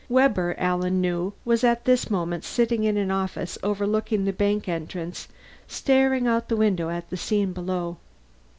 Webber, Alan knew, was at this moment sitting in an office overlooking the bank entrance, staring out the window at the scene below.